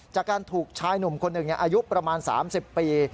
จากการถูกชายหนุ่มคนหนึ่งอายุประมาณ๓๐ปี